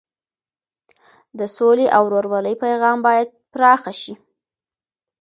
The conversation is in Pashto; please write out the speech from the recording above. د سولې او ورورولۍ پیغام باید پراخه شي.